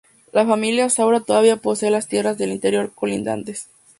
La familia Saura todavía posee las tierras de interior colindantes.